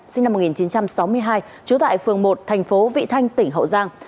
sinh năm một nghìn chín trăm sáu mươi hai trú tại phường một thành phố vị thanh tỉnh hậu giang